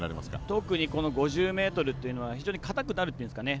特に５０ｍというのはかたくなるっていうんですかね